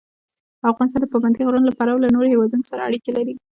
افغانستان د پابندی غرونه له پلوه له نورو هېوادونو سره اړیکې لري.